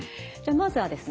まずはですね